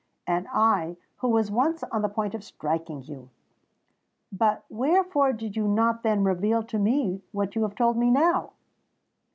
And I, who was once on the point of striking you! But wherefore did you not then reveal to me what you have told me now?"